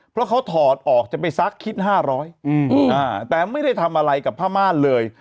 เพราะเขาถอดออกจะไปซักคิด๕๐๐แต่ไม่ได้ทำอะไรกับผ้าม่านเลย